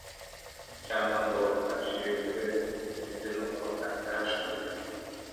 cyangwa ngo acibwe intege n'uko acyashywe